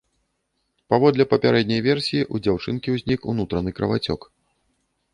Паводле папярэдняй версіі, у дзяўчынкі ўзнік унутраны крывацёк.